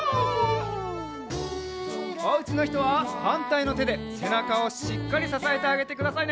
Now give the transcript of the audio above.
おうちのひとははんたいのてでせなかをしっかりささえてあげてくださいね。